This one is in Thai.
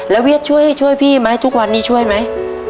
แล้วเวียดช่วยพี่ไหมทุกวันนี้ช่วยไหม